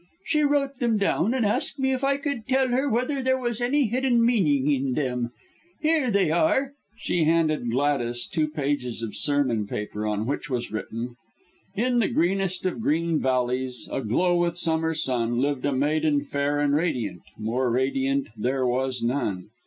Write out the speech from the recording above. She wrote them down, and asked me if I could tell her whether there was any hidden meaning in them. Here they are," and she handed Gladys two pages of sermon paper on which was written "In the greenest of green valleys, Aglow with summer sun, Lived a maiden fair and radiant, More radiant there was none.